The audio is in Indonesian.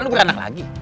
itu beranak lagi